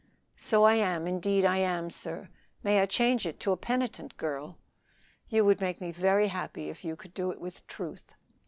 "So I am, indeed I am. Sir, may I change it to 'a penitent girl?'" "You would make me very happy if you could do it with truth."